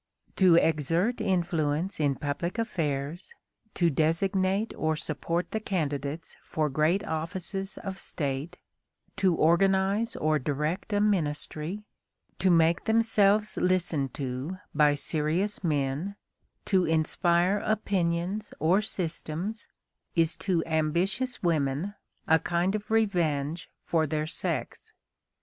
To exert influence in public affairs, to designate or support the candidates for great offices of State, to organize or direct a ministry, to make themselves listened to by serious men, to inspire opinions or systems, is to ambitious women a kind of revenge for their sex.